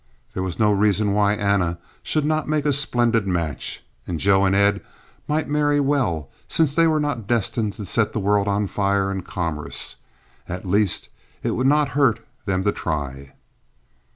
There was no reason why Anna should not make a splendid match. Joe and Ed might marry well, since they were not destined to set the world on fire in commerce. At least it would not hurt them to try.